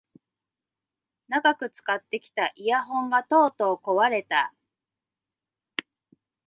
長く使ってきたイヤホンがとうとう壊れた